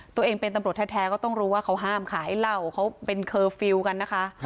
ตัวเองเป็นตำรวจแท้ก็ต้องรู้ว่าเขาห้ามขายเหล้าเขาเป็นเคอร์ฟิลล์กันนะคะ